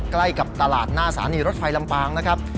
ใกล้กับตลาดหน้าสถานีรถไฟลำปางนะครับ